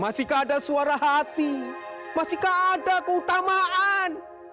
masihkah ada nurani masihkah ada suara hati masihkah ada keutamaan